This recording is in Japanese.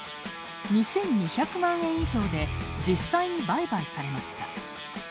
２２００万円以上で実際に売買されました。